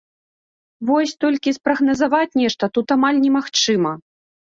Вось толькі спрагназаваць нешта тут амаль немагчыма.